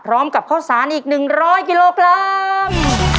พร้อมกับข้าวสารอีก๑๐๐กิโลกรัม